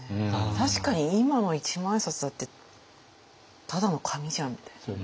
確かに今の一万円札だってただの紙じゃんみたいな。